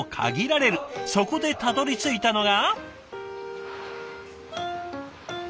そこでたどりついたのが。